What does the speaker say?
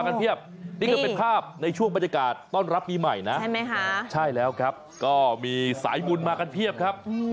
นี่ก็เป็นภาพในช่วงบรรยากาศต้อนรับปีใหม่นะ